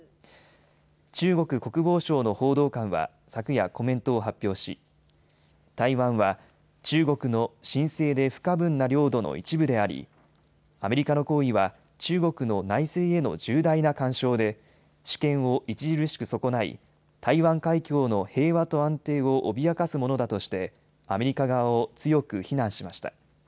中国国防省の報道官は昨夜コメントを発表し台湾は中国の神聖で不可分な領土の一部でありアメリカの行為は中国の内政への重大な干渉で主権を著しく損ない台湾海峡の平和と安定を脅かすものだとしてアメリカ側を強く非難しました。